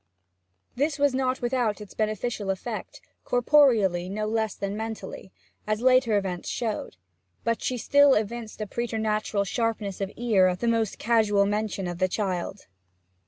This was not without its beneficial effect, corporeally no less than mentally, as later events showed, but she still evinced a preternatural sharpness of ear at the most casual mention of the child.